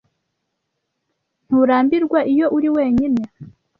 Nturambirwa iyo uri wenyine?